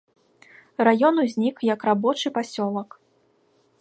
Раён узнік як рабочы пасёлак.